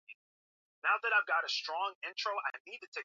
Wanajeshi wa Marekani wasiozidi mia tano